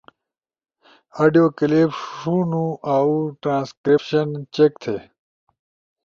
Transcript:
آدیو کلپ ݜُونو اؤ ٹرانسکریپشن چیک تھے۔